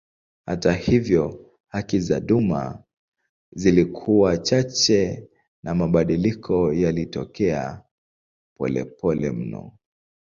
Hata hivyo haki za duma zilikuwa chache na mabadiliko yalitokea polepole mno.